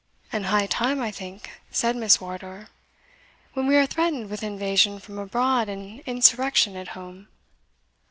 "And high time, I think," said Miss Wardour, "when we are threatened with invasion from abroad and insurrection at home."